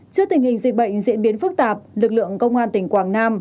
trước tình hình dịch bệnh diễn biến phức tạp lực lượng công an tỉnh quảng nam